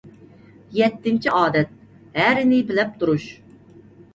يەتتىنچى ئادەت، ھەرىنى بىلەپ تۇرۇش.